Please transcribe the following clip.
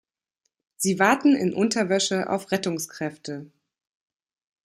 Sie warten in Unterwäsche auf Rettungskräfte.